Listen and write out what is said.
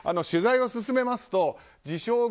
取材を進めますと自称